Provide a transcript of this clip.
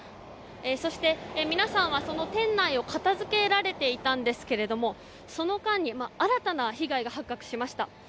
そして、皆さんはその店内を片付けられていたんですがその間に新たな被害が発覚しました。